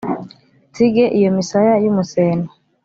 nsige iyo misaya y'umuseno